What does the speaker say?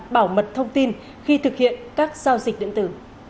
bảo mật thông tin khi thực hiện các giao dịch điện tử